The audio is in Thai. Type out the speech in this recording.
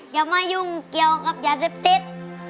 จะไม่ยุ่งเกี่ยวกับยาซิบซิบ